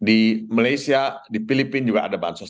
di malaysia di filipina juga ada bansos